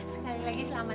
sekali lagi selamat imam